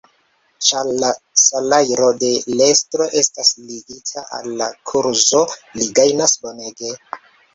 Ĉar la salajro de l’ estro estas ligita al la kurzo, li gajnas bonege.